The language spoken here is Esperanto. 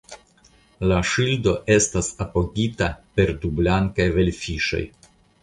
La ŝildo estas apogita per du blankaj velfiŝoj.